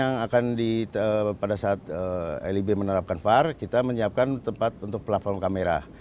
yang akan pada saat lib menerapkan var kita menyiapkan tempat untuk platform kamera